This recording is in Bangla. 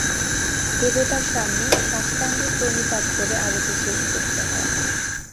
দেবতার সামনে সাষ্টাঙ্গ প্রণিপাত করে আরতি শেষ করতে হয়।